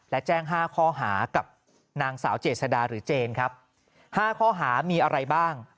และแจ้งห้าข้อฐานรับหา